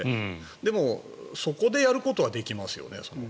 でも、そこでやることはできますよね。